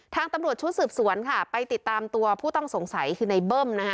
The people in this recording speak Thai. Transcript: ทางตำรวจชุดสืบสวนค่ะไปติดตามตัวผู้ต้องสงสัยคือในเบิ้มนะคะ